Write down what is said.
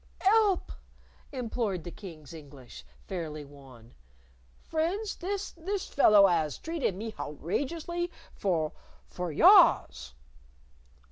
"'Elp!" implored the King's English, fairly wan. "Friends, this this fellow 'as treated me houtrageously for for yaaws!"